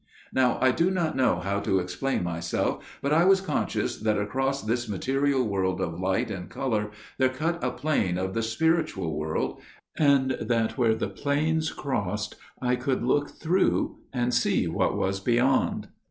"Now I do not know how to explain myself, but I was conscious that across this material world of light and colour there cut a plane of the spiritual world, and that where the planes crossed I could look through and see what was beyond.